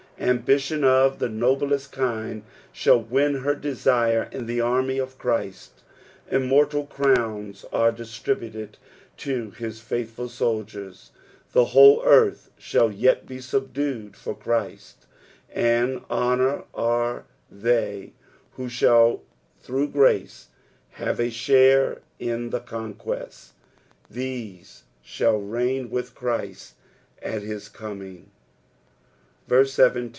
Ambition of the noblest kind shitll win her desire in the army of Christ; immortal crowns are distributed to his faithful soldiers. The whole earth shall yet be subdued for Christ, and honoured src they, who shall, through grace, have a share in the con qnest — these shall reign witli Christ at his coming Ver»e IT.